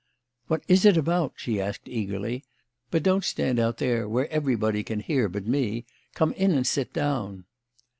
"What is it about?" she asked eagerly. "But don't stand out there where everybody can hear but me. Come in and sit down."